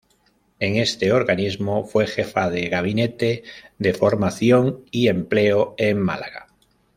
En este organismo fue jefa de Gabinete de Formación y Empleo en Málaga.